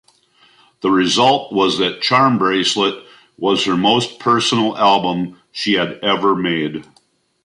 The result was that "Charmbracelet" was her "most personal album" she had ever made.